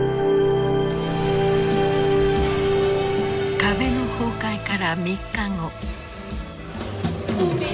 壁の崩壊から３日後。